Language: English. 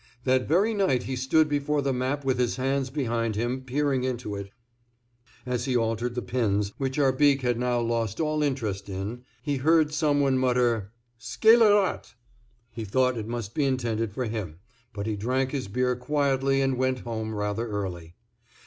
That very night he stood before the map with his hands behind him, peering into it; as he altered the pins, which Arbique had now lost all interest in, he heard some one mutter "Scélérat!" He thought it must be intended for him, but he drank his beer quietly and went home rather early.